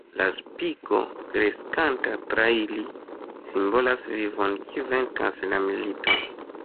La spiko, kreskanta tra ili, simbolas vivon, kiu venkas la militon.